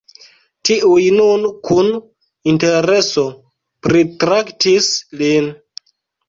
Tiuj nun kun intereso pritraktis lin.